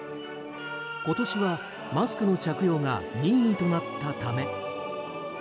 今年は、マスクの着用が任意となったため。